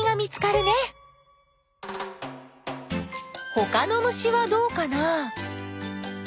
ほかの虫はどうかな？